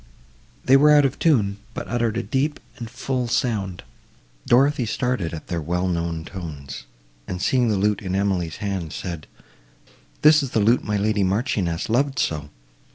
They were out of tune, but uttered a deep and full sound. Dorothée started at their well known tones, and, seeing the lute in Emily's hand, said, "This is the lute my lady Marchioness loved so!